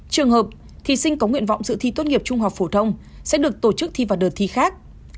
trường hợp thí sinh có nguyện vọng sự thi tốt nghiệp trung học phổ thông sẽ được tổ chức thi vào đợt thi khác